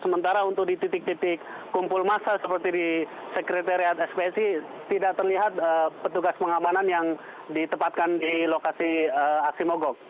sementara untuk di titik titik kumpul masa seperti di sekretariat spsi tidak terlihat petugas pengamanan yang ditempatkan di lokasi aksi mogok